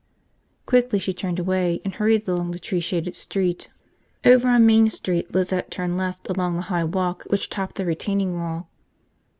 Quickly she turned away and hurried along the tree shaded street. Over on Main Street, Lizette turned left along the high walk which topped the retaining wall.